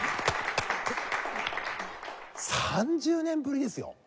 ３０年ぶりですよ！？